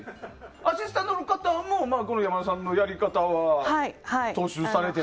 アシスタントの方も山田さんのやり方を踏襲されて。